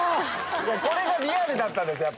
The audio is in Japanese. これがリアルだったんですよ。